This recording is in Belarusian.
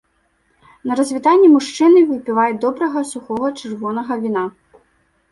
На развітанне мужчыны выпіваюць добрага сухога чырвонага віна.